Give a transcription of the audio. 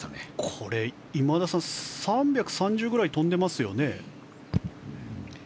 これ、今田さん３３０ぐらい飛んでますよね？